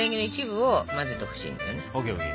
ＯＫＯＫ。